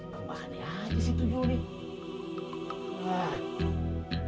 kemahannya aja sih itu nih